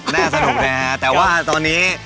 น่าสนุกนะฮะแต่ว่าตอนนี้